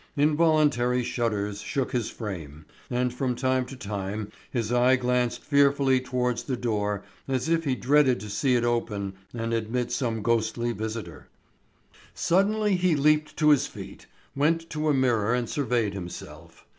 Involuntary shudders shook his frame, and from time to time his eye glanced fearfully towards the door as if he dreaded to see it open and admit some ghostly visitor. Suddenly he leaped to his feet, went to a mirror and surveyed himself.